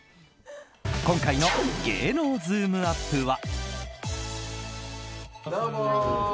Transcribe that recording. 今回の芸能ズームＵＰ！は。